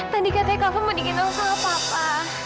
tadi katanya kakak mau dikit dikit sama papa